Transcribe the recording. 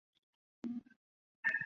马尔热里耶昂库尔。